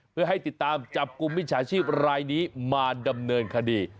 เพื่อให้ติดตามจับกลุ่มมิจฉาชีพรายนี้มาดำเนินคดี